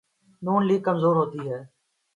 ن لیگ کمزور ہوتی ہے۔